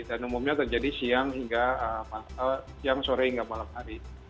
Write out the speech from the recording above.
umumnya terjadi siang hingga siang sore hingga malam hari